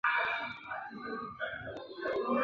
斯托姆博格龙可能是赖索托龙的成年个体。